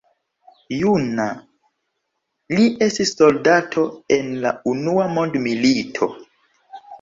Juna, li estis soldato en la Unua Mondmilito.